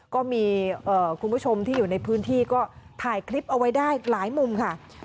ก็มีคุณผู้ชมที่อยู่ในพื้นที่ก็ถ่ายคลิปเอาไว้ได้หลายมุมค่ะ